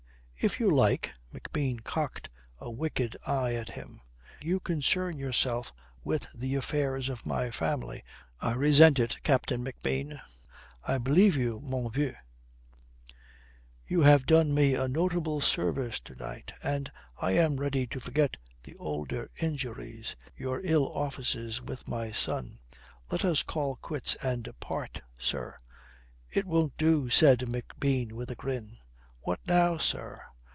"If you like." McBean cocked a wicked eye at him. "You concern yourself with the affairs of my family. I resent it, Captain McBean." "I believe you, mon vieux." "You have done me a notable service to night and I am ready to forget the older injuries, your ill offices with my son. Let us call quits and part, sir." "It won't do," said McBean with a grin. "What now, sir?"